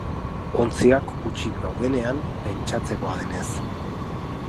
Ontziak hutsik daudenean, pentsatzekoa denez.